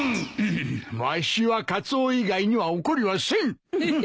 わしはカツオ以外には怒りはせん。